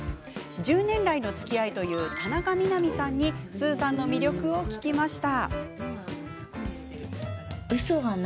１０年来のつきあいという田中みな実さんにスーさんの魅力を聞きました。